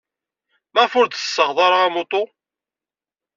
Maɣef ur d-tessaɣed ara amuṭu?